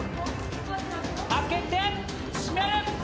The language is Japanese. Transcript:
開けて閉める。